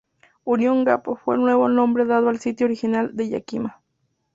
Union Gap fue el nuevo nombre dado al sitio original de Yakima.